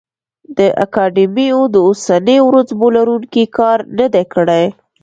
د اکاډمیو د اوسنیو رتبو لروونکي کار نه دی کړی.